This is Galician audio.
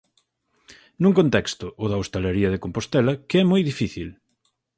Nun contexto, o da hostalería de Compostela, que é moi difícil.